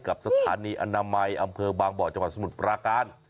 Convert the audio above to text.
กับสถานีอนามัยอำเภอบางบ่อจังหวัดสมุทรปราการ